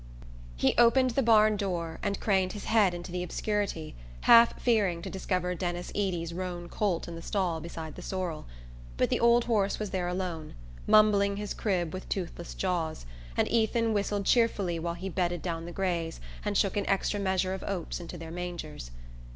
He opened the barn door and craned his head into the obscurity, half fearing to discover Denis Eady's roan colt in the stall beside the sorrel. But the old horse was there alone, mumbling his crib with toothless jaws, and Ethan whistled cheerfully while he bedded down the grays and shook an extra measure of oats into their mangers.